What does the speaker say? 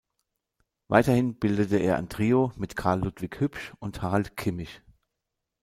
Weiterhin bildete er ein Trio mit Carl Ludwig Hübsch und Harald Kimmig.